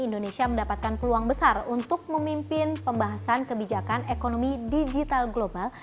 indonesia mendapatkan peluang besar untuk memimpin pembahasan kebijakan ekonomi digital global